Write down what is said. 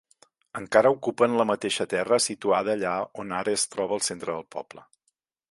Encara ocupen la mateixa terra situada allà on ara es troba el centre del poble.